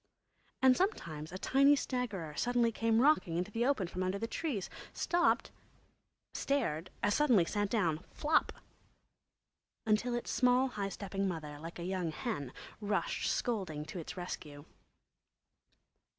And sometimes a tiny staggerer came suddenly rocking into the open from under the trees, stopped, stared, as suddenly sat down "flop," until its small high stepping mother, like a young hen, rushed scolding to its rescue.